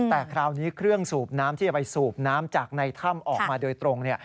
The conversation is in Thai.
แต่คราวนี้เครื่องสูบน้ำที่จะไปสูบน้ำจากในถ้ำออกมาโดยตรง